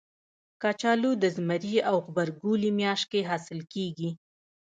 کچالو د زمري او غبرګولي میاشت کې حاصل کېږي